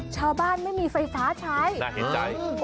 ชาวบ้านไม่มีไฟฟ้าใช้น่าเห็นใจ